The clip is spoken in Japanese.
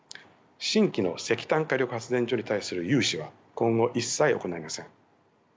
新規の石炭火力発電所に対する融資は今後一切行いません。